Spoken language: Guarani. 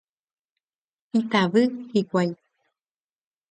Itavy hikuái.